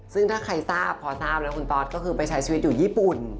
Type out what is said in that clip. ซึ่งถ้าใครทราบพอทราบแล้วคุณตอสก็คือไปใช้ชีวิตอยู่ญี่ปุ่น